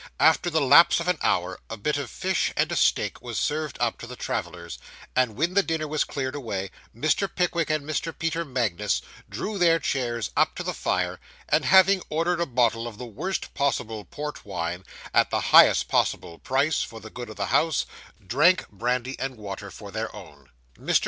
After the lapse of an hour, a bit of fish and a steak was served up to the travellers, and when the dinner was cleared away, Mr. Pickwick and Mr. Peter Magnus drew their chairs up to the fire, and having ordered a bottle of the worst possible port wine, at the highest possible price, for the good of the house, drank brandy and water for their own. Mr.